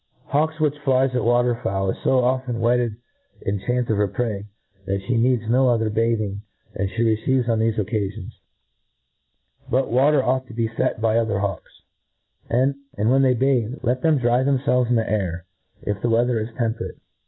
A hawk which fiies at water fowl is fo often wetted in chace of her prey, that (he needs no other bathing than (be receives oq thefe occa* fions. But water ought to be fet by other hawks; and when they bathe, let them dry themfelves in the air, if the weather is tempe rate.